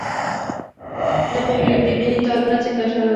نه پوهېږم، د مینې تارونه څنګه شلول.